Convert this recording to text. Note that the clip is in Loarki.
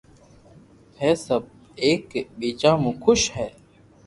ھي ھين سب ايڪ ٻيجا مون خوݾ ھي